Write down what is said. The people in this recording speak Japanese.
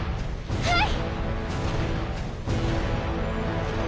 はい！